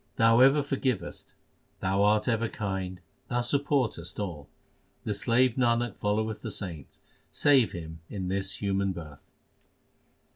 Thou ever forgivest, Thou art ever kind, Thousupportest all. The slave Nanak followeth the saints : save him in this human birth.